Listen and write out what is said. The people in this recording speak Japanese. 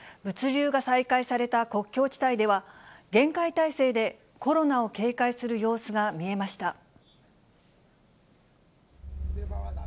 物流が再開された国境地帯では、厳戒態勢でコロナを警戒する様子が見えました。